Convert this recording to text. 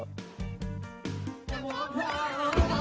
เฟียวขนาดไหนไปดู